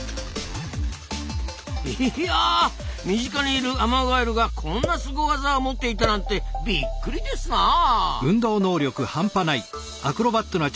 いや身近にいるアマガエルがこんなスゴ技を持っていたなんてびっくりですなあ！